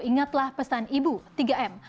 ingatlah pesan ibu tiga m